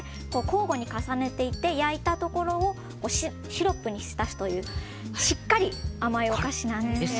交互に重ねて焼いたところをシロップに浸すというしっかり甘いお菓子なんですが。